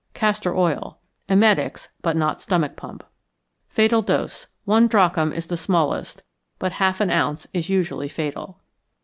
Castor oil. Emetics, but not stomach pump. Fatal Dose. One drachm is the smallest, but half an ounce is usually fatal.